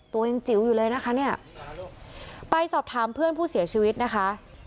ตัวยังจิ๋วอยู่เลยนะคะเนี่ยไปสอบถามเพื่อนผู้เสียชีวิตนะคะ